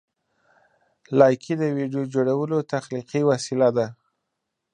لایکي د ویډیو جوړولو تخلیقي وسیله ده.